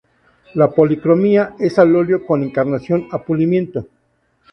La policromía es al óleo con encarnación a pulimento.